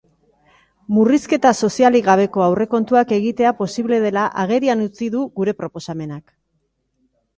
Murrizketa sozialik gabeko aurrekontuak egitea posible dela agerian utzi du gure proposamenak.